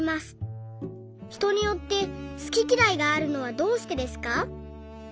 ひとによって好ききらいがあるのはどうしてですか？」。